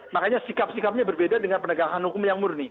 makanya sikap sikapnya berbeda dengan penegakan hukum yang murni